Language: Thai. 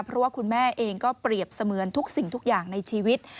เพราะว่าคุณแม่เองก็เปรียบเสมือนทุกสิ่งทุกอย่างในชีวิต